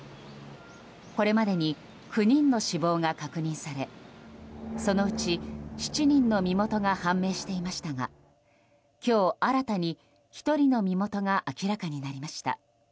これまでに９人の死亡が確認されそのうち７人の身元が判明していましたが今日新たに１人の身元が明らかになりました。